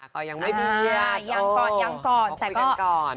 ก็ยังไม่เบียด